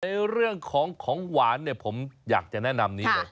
เรื่องของของหวานเนี่ยผมอยากจะแนะนำนี้เลย